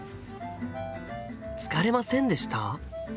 「疲れませんでした？」。